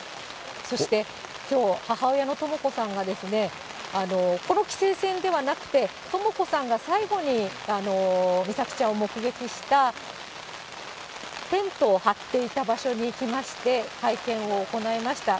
そしてきょう、母親のとも子さんがですね、この規制線ではなくて、とも子さんが最後に美咲ちゃんを目撃した、テントを張っていた場所に行きまして、会見を行いました。